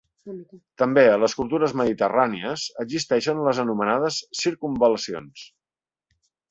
També a les cultures mediterrànies existeixen les anomenades “circumval·lacions”.